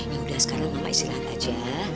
ya udah sekarang mama istirahat aja